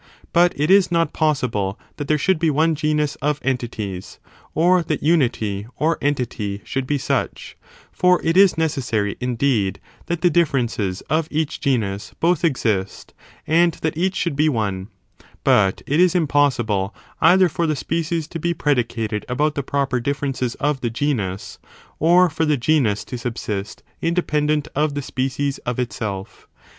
But it is not possible that there should be one genus of entities, or that unity or entity should be such ; for it is necessary, indeed, that the differences of each genus both exist, and that each should be fme : but it is impossible either for the species to be predi cated about the proper differences of the genus, or for the I genus to subsist, independent of the species of itself.